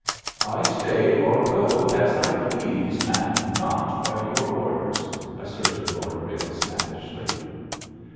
"I stay or go as I please, and not by your orders," asserted Lord Ralles, snappishly.